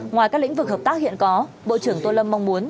ngoài các lĩnh vực hợp tác hiện có bộ trưởng tô lâm mong muốn